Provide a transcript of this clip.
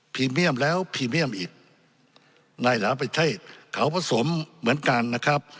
เมียมแล้วพรีเมียมอีกในหลายประเทศเขาผสมเหมือนกันนะครับ